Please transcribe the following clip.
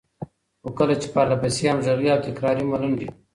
خو کله چې پرلهپسې، همغږې او تکراري ملنډې،